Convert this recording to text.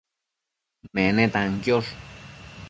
menetan quiosh